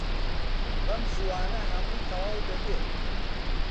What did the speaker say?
بەم زووانە هەمووی تەواو دەبێت.